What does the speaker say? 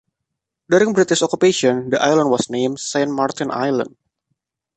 During British occupation the island was named Saint Martin Island.